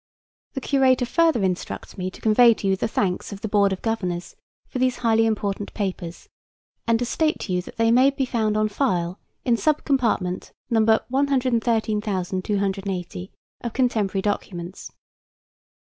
The Curator further instructs me to convey to you the thanks of the Board of Governors for these highly important papers, and to state to you that they may be found on file in sub compartment No. 113,280 of Contemporary Documents.